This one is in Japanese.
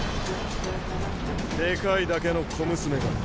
でかいだけの小娘が。